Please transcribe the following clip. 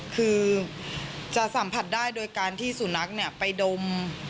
คือจะสัมผัสได้โดยการที่สุนัขไปดม